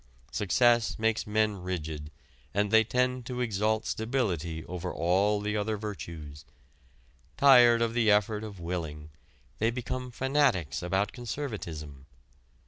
Success makes men rigid and they tend to exalt stability over all the other virtues; tired of the effort of willing they become fanatics about conservatism.